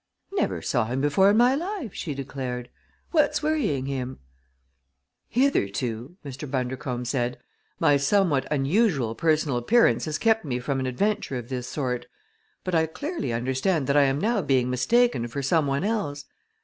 "Never saw him before in my life!" she declared. "What's worrying him?" "Hitherto," Mr. Bundercombe said, "my somewhat unusual personal appearance has kept me from an adventure of this sort, but I clearly understand that I am now being mistaken for some one else.